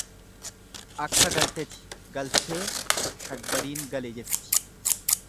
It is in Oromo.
Akka galteti galtee shaggariin gale jetti.